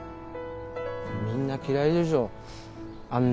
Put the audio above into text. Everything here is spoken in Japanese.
みんな嫌いでしょあんな